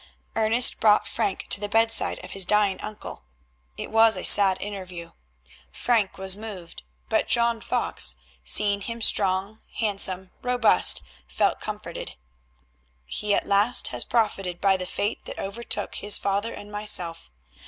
Ernest brought Frank to the bedside of his dying uncle. It was a sad interview. Frank was moved, but John Fox, seeing him strong, handsome, robust, felt comforted. "He at least has profited by the fate that overtook his father and myself.